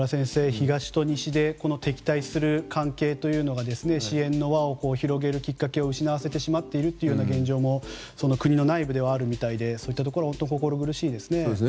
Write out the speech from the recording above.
東と西で敵対する関係というのが支援の輪を広げるきっかけを失わせてしまうというような現状もその国の内部ではあるみたいでそういったところは本当に心苦しいですね。